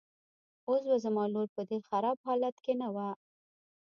اوس به زما لور په دې خراب حالت کې نه وه.